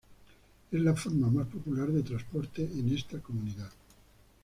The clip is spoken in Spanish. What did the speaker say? Es la forma más popular de transporte en esta comunidad.